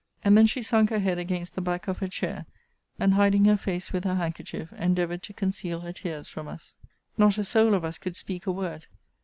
And then she sunk her head against the back of her chair, and, hiding her face with her handkerchief, endeavoured to conceal her tears from us. Not a soul of us could speak a word.